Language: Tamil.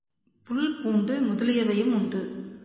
புல், பூண்டு முதலியவையும் உண்டு.